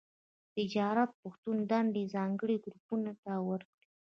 تجارت پوهنتون دندې ځانګړي ګروپونو ته ورکړي.